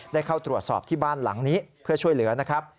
ได้เข้าตรวจสอบที่บ้านหลังนี้เพื่อช่วยเหลือนะครับ